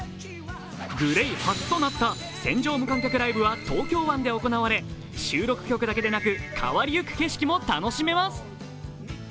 ＧＬＡＹ初となった船上無観客ライブは東京湾で行われ、収録曲だけでなく変わりゆく景色も楽しめます。